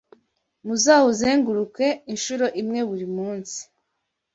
Muzawuzenguruke incuro imwe buri munsi